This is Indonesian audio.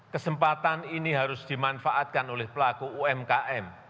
kesempatan ini harus dimanfaatkan oleh pelaku umkm